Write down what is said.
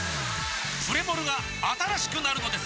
プレモルが新しくなるのです！